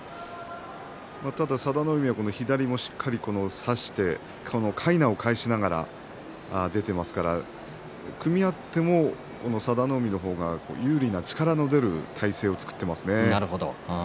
ただ、佐田の海が左もしっかり差してかいなを返しながら出ていますから組み合っても佐田の海の方が有利な力の出る体勢を作っていますね。